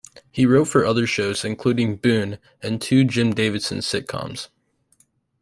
He wrote for other shows, including "Boon", and two Jim Davidson sitcoms.